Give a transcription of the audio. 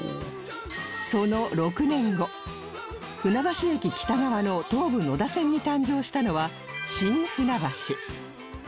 その６年後船橋駅北側の東武野田線に誕生したのは新船橋